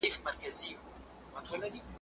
نه یې زده کړل له تاریخ څخه پندونه ,